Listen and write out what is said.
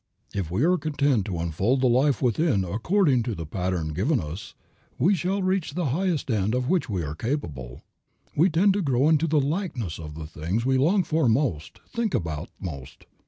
If we are content to unfold the life within according to the pattern given us, we shall reach the highest end of which we are capable. We tend to grow into the likeness of the things we long for most, think about most.